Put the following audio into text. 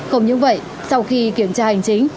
không như vậy sau khi kiểm tra hành chính